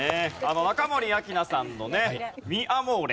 中森明菜さんのね『ミ・アモーレ』。